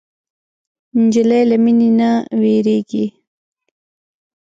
نجلۍ له مینې نه وږيږي.